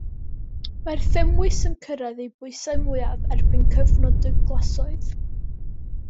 Mae'r thymws yn cyrraedd ei bwysau mwyaf erbyn cyfnod y glasoed.